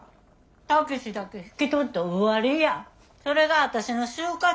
武志だけ引き取って終わりやそれが私の終活。